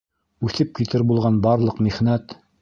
Үтеп китер булған барлыҡ михнәт.